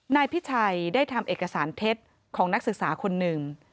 นายพิชัยได้ทำเอกสารเท็จของนักศึกษาคนหนึ่ง